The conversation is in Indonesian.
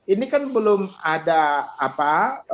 ini kan belum ada apa